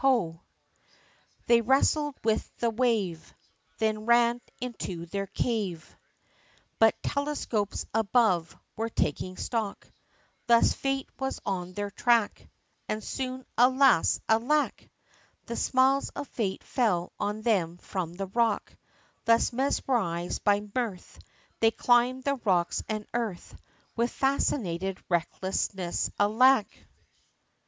They wrestled with the wave, Then ran into their cave; But telescopes above, were taking stock, Thus fate was on their track, And soon alas! alack! The smiles of fate fell on them from the rock, Thus mesmerised by mirth, They climbed the rocks, and earth, With fascinated recklessness alack!